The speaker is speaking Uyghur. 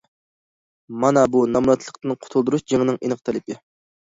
مانا بۇ نامراتلىقتىن قۇتۇلدۇرۇش جېڭىنىڭ ئېنىق تەلىپى.